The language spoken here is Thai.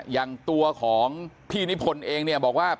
อย่างตัวของพี่นิพนธ์เองเนี่ยบอกว่า